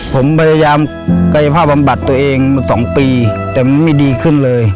ผมพยายามกายภาพบำบัดตัวเองมา๒ปีแต่มันไม่ดีขึ้นเลย